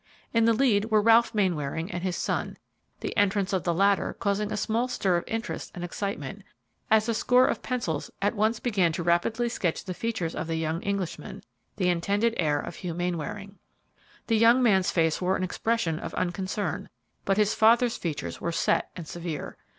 In the lead were Ralph Mainwaring and his son, the entrance of the latter causing a small stir of interest and excitement, as a score of pencils at once began to rapidly sketch the features of the young Englishman, the intended heir of Hugh Mainwaring. The young man's face wore an expression of unconcern, but his father's features were set and severe.